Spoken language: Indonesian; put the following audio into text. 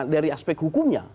dari aspek hukumnya